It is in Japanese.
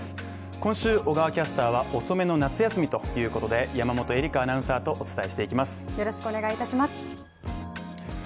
今週、小川キャスターは遅めの夏休みということで、山本恵里伽アナウンサーとお伝えしていきます。